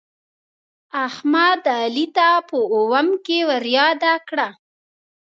احمد، علي ته په اوم کې ورياده کړه.